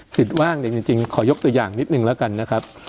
ว่างเนี่ยจริงขอยกตัวอย่างนิดนึงแล้วกันนะครับ